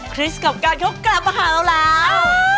คริสต์กับการเขากลับมาหาเราแล้ว